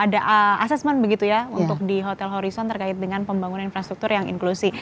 ada assessment begitu ya untuk di hotel horizon terkait dengan pembangunan infrastruktur yang inklusi